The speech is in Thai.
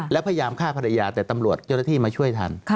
แล้วพยายามฆ่าภรรยาแต่ตำรวจเจ้าหน้าที่มาช่วยทัน